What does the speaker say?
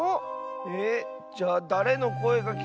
えじゃあだれのこえがきこえたの？